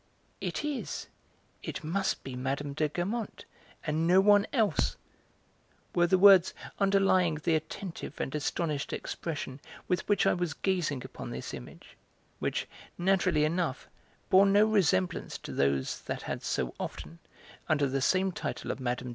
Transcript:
"It is, it must be Mme. de Guermantes, and no one else!" were the words underlying the attentive and astonished expression with which I was gazing upon this image, which, naturally enough, bore no resemblance to those that had so often, under the same title of 'Mme.